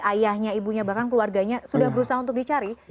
ayahnya ibunya bahkan keluarganya sudah berusaha untuk dicari